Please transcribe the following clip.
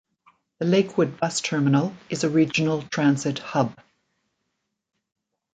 The Lakewood Bus Terminal is a regional transit hub.